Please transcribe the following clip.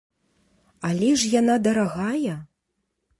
Але ж яна дарагая!